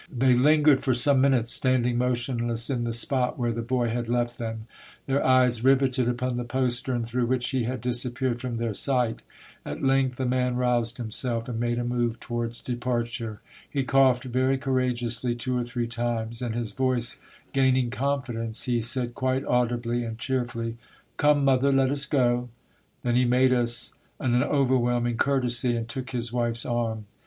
They lingered for some minutes, standing mo tionless in the spot where the boy had left them, their eyes riveted upon the postern through which he had disappeared from their sight. At length the man roused himself, and made a move towards departure. He coughed very courageously two or three times, and his voice gaining confidence, he said quite audibly and cheerfully, —•" Come, mother, let us go." Then he made us an overwhelming courtesy, and took his wife's arm.